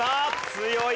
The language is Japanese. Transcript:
強い！